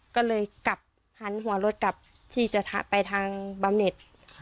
ก็เลยกลับหันหัวรถกลับที่จะไปทางบำเน็ต